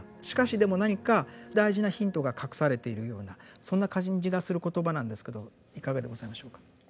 しかしでも何か大事なヒントが隠されているようなそんな感じがする言葉なんですけどいかがでございましょうか。